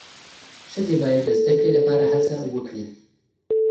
ښځې باید د زدهکړې لپاره هڅه وکړي.